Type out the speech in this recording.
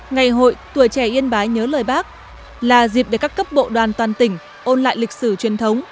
ngày hội tuổi trẻ yên bái nhớ lời bác là dịp để các cấp bộ đoàn toàn tỉnh ôn lại lịch sử truyền thống